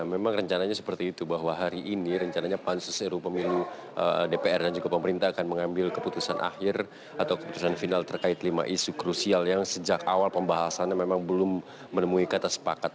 memang rencananya seperti itu bahwa hari ini rencananya pansus ru pemilu dpr dan juga pemerintah akan mengambil keputusan akhir atau keputusan final terkait lima isu krusial yang sejak awal pembahasannya memang belum menemui kata sepakat